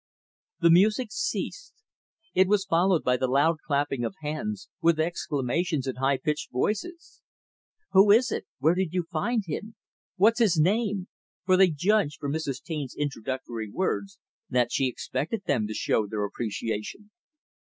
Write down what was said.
The music ceased. It was followed by the loud clapping of hands with exclamations in high pitched voices. "Who is it?" "Where did you find him?" "What's his name?" for they judged, from Mrs. Taine's introductory words, that she expected them to show their appreciation.